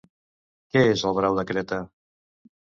Què és el Brau de Creta?